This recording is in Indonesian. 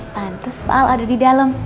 pantes pak al ada di dalam